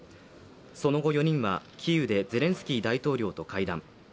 その後４人はキーウでゼレンスキー大統領と会談。